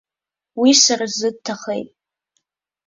Уи сара сзы дҭахеит!